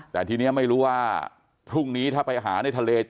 แต่ทีนี้ไม่รู้ว่าพรุ่งนี้ถ้าไปหาในทะเล